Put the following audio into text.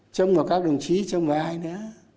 trông vào các đồng chí trông vào ai nữa